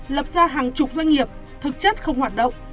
lập ra hàng chục doanh nghiệp thực chất không hoạt động